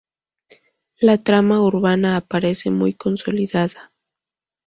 La trama urbana aparece muy consolidada.